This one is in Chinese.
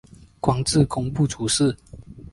官至工部主事。